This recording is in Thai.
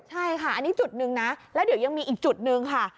ใช่ค่ะอันนี้จุดหนึ่งนะแล้วเดี๋ยวยังมีอีกจุดนึงค่ะ